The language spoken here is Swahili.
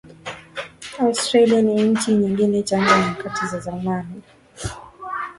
Australia na nchi zingine Tangu nyakati za zamani